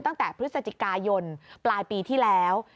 ตั้งแต่พฤศจิกายนปลายปีที่แล้ว